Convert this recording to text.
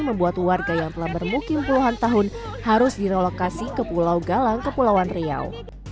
membuat warga yang telah bermukim puluhan tahun harus direlokasi ke pulau galang kepulauan riau